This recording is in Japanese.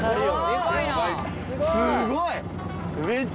すごい！